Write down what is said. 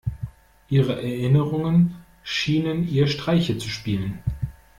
Ihre Erinnerungen schienen ihr Streiche zu spielen.